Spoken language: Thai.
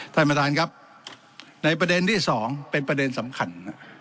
ท่านประธานครับในประเด็นที่สองเป็นประเด็นสำคัญ